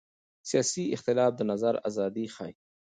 سیاسي اختلاف د نظر ازادي ښيي